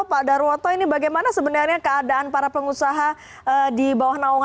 pak darwoto ini bagaimana sebenarnya keadaan para pengusaha di bawah naungan